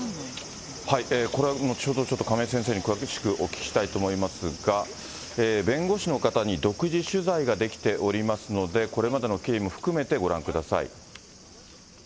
これ、後ほどちょっと亀井先生に、詳しくお聞きしたいと思いますが、弁護士の方に独自取材ができておりますので、これまでの経緯も含めてご覧ください。